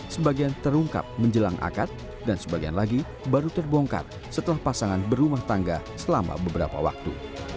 sebagian terungkap menjelang akad dan sebagian lagi baru terbongkar setelah pasangan berumah tangga selama beberapa waktu